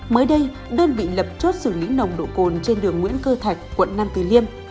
mới đây đơn vị lập chốt xử lý nồng độ cồn trên đường nguyễn cơ thạch quận năm từ liêm